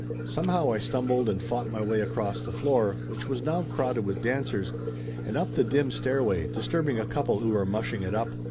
Somehow I stumbled and fought my way across the floor, which was now crowded with dancers, and up the dim stairway, disturbing a couple who were mushing it up.